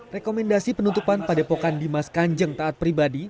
rekomendasi penutupan padepokan dimas kanjeng taat pribadi